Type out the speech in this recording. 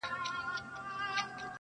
موږ د تاوان په کار کي یکایک ده ګټه کړې